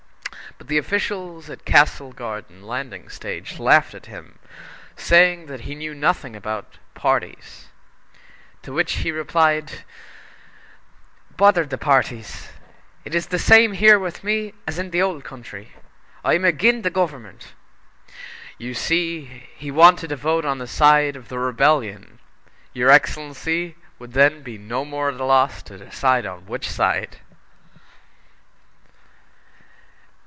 But the officials at Castle Garden landing stage laughed at him, saying that he knew nothing about parties, to which he replied: "'Bother the parties! It is the same here with me as in the old country I am agin' the government!' You see, he wanted to vote on the side of the Rebellion! Your excellency would then be no more at a loss to decide on which side!"